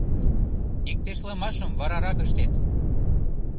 Иктешлымашым варарак ыштет.